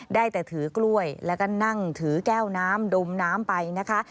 ได้แต่ถือกล้วยแล้วก็นั่งถือแก้วน้ำดมน้ำไปนะคะ